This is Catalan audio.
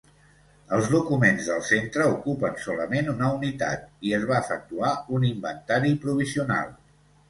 Els documents del Centre ocupen solament una unitat i es va efectuar un inventari provisional.